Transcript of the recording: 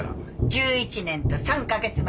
１１年と３カ月前にね。